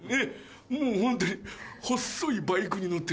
もうホントに細いバイクに乗ってる。